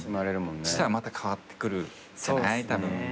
そしたらまた変わってくるんじゃない？